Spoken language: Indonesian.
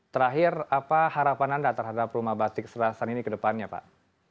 terakhir apa harapan anda terhadap rumah batik selatan ini ke depannya pak